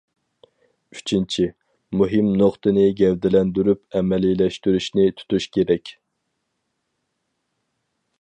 ئۈچىنچى، مۇھىم نۇقتىنى گەۋدىلەندۈرۈپ، ئەمەلىيلەشتۈرۈشنى تۇتۇش كېرەك.